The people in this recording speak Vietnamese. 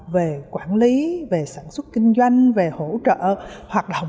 về quản lý về sản xuất kinh doanh về hỗ trợ hoạt động